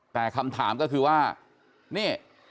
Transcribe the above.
แต่คำถามก็คือว่านี่